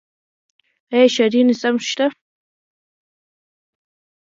آیا ښاري نظم شته؟